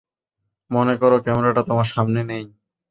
মনে করো, ক্যামেরাটা তোমার সামনে নেই।